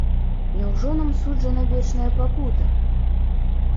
Няўжо нам суджана вечная пакута?